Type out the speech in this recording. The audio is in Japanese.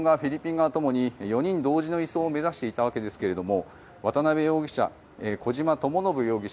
側ともに４人同時の移送を目指していたわけですが渡邉容疑者、小島智信容疑者